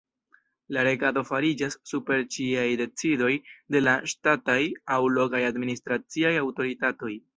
La regado fariĝas super ĉiaj decidoj de la ŝtataj aŭ lokaj administraciaj aŭtoritatoj.